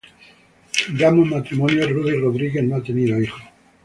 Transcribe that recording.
De ambos matrimonios Ruddy Rodríguez no ha tenido hijos.